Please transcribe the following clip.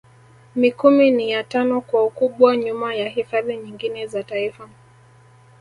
Mikumi ni ya tano kwa ukubwa nyuma ya hifadhi nyingine za Taifa